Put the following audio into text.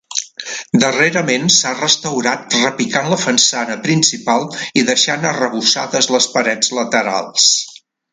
Darrerament s'ha restaurat repicant la façana principal i deixant arrebossades les parets laterals.